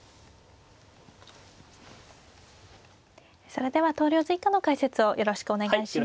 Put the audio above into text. それでは投了図以下の解説をよろしくお願いします。